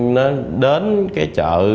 nó đến cái chợ